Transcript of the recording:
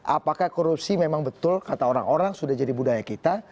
apakah korupsi memang betul kata orang orang sudah jadi budaya kita